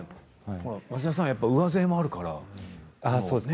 町田さんが上背もあるからね。